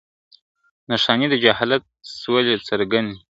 نښانې د جهالت سولې څرگندي !.